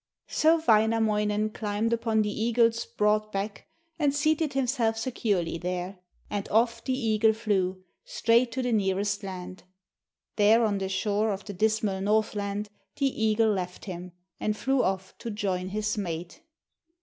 So Wainamoinen climbed upon the eagle's broad back and seated himself securely there, and off the eagle flew, straight to the nearest land. There on the shore of the dismal Northland the eagle left him, and flew off to join his mate.